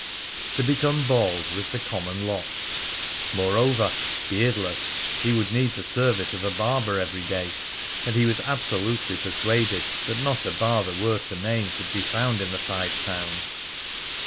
To become bald was the common lot. Moreover, beardless, he would need the service of a barber every day. And he was absolutely persuaded that not a barber worth the name could be found in the Five Towns.